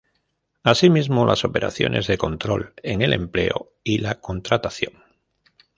Asimismo, las operaciones de control en el empleo y la contratación.